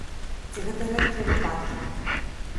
Ці гэта рэдкія выпадкі?